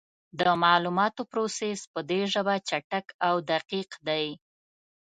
د معلوماتو پروسس په دې ژبه چټک او دقیق دی.